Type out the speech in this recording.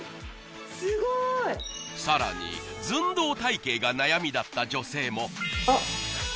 すごいさらにずんどう体形が悩みだった女性もあっ